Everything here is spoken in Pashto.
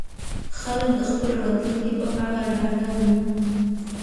خلک د خپل راتلونکي په اړه ډاډه وي.